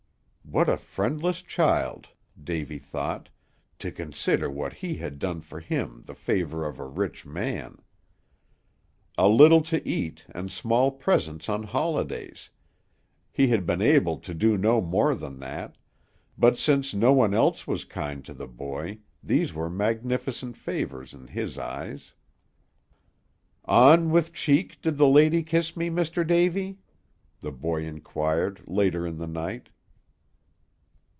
What a friendless child, Davy thought, to consider what he had done for him the favor of a rich man! A little to eat, and small presents on holidays; he had been able to do no more than that; but, since no one else was kind to the boy, these were magnificent favors in his eyes. "On which cheek did the lady kiss me, Mr. Davy?" the boy inquired later in the night.